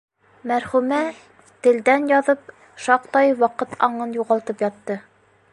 Мәрхүмә, телдән яҙып, шаҡтай ваҡыт аңын юғалтып ятты.